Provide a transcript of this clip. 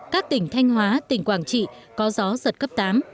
các tỉnh thanh hóa tỉnh quảng trị có gió giật cấp tám